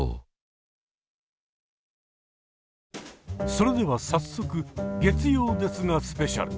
それでは早速「月曜ですがスペシャル」！